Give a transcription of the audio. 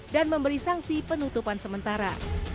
dan memberi sanksi penutupan sementara